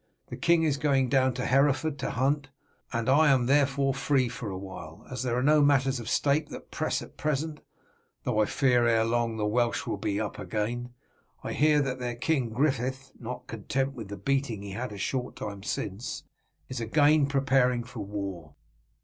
"The king is going down into Hereford to hunt, and I am therefore free for a while, as there are no matters of state that press at present, though I fear that ere very long the Welsh will be up again. I hear that their King Griffith, not content with the beating he had a short time since, is again preparing for war.